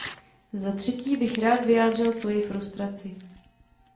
Za třetí bych rád vyjádřil svoji frustraci.